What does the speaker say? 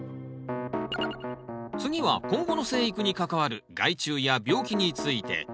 次は今後の生育に関わる害虫や病気について。